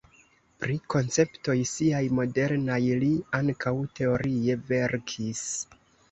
Pri konceptoj siaj modernaj li ankaŭ teorie verkis.